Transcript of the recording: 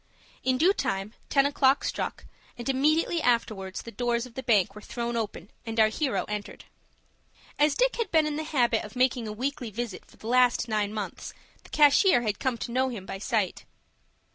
In due time ten o'clock struck, and immediately afterwards the doors of the bank were thrown open, and our hero entered. As Dick had been in the habit of making a weekly visit for the last nine months, the cashier had come to know him by sight.